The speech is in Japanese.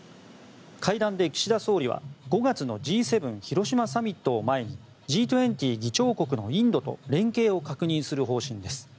会談で岸田総理は５月のＧ７広島サミットを前にＧ２０議長国のインドと連携を確認する方針です。